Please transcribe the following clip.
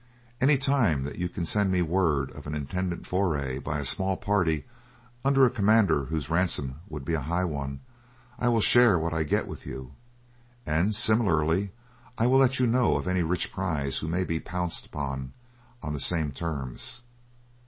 Any time that you can send me word of an intended foray by a small party under a commander whose ransom would be a high one I will share what I get with you; and similarly I will let you know of any rich prize who may be pounced upon on the same terms.